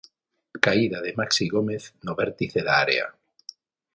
Caída de Maxi Gómez no vértice da área.